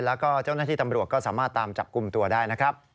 แล้วก็เจ้าหน้าที่ตำรวจก็สามารถตามจับกลุ่มตัวได้นะครับ